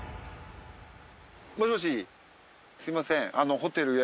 もしもしすみません。